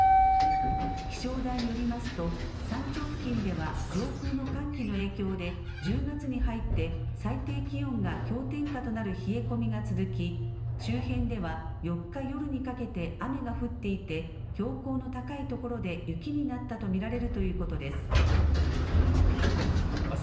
気象台によりますと山頂付近では上空の寒気の影響で１０月に入って最低気温が氷点下となる冷え込みが続き周辺では４日夜にかけて雨が降っていて標高の高いところで雪になったと見られるということです。